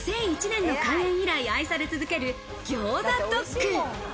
２００１年の開園以来、愛され続けるギョウザドッグ。